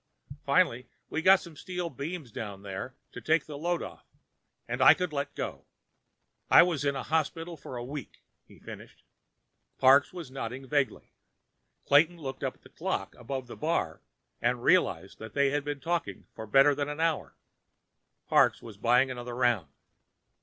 Finally, they got some steel beams down there to take the load off, and I could let go. I was in the hospital for a week," he finished. Parks was nodding vaguely. Clayton looked up at the clock above the bar and realized that they had been talking for better than an hour. Parks was buying another round.